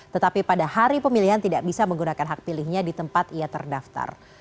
tetapi pada hari pemilihan tidak bisa menggunakan hak pilihnya di tempat ia terdaftar